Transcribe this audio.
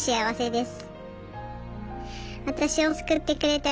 です。